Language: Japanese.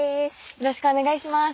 よろしくお願いします。